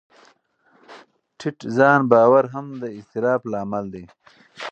ټیټ ځان باور هم د اضطراب لامل دی.